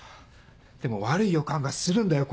でも悪い予感がするんだよ